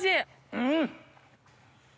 うん！